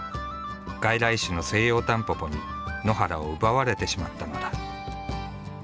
外来種のセイヨウタンポポに野原を奪われてしまったのだ。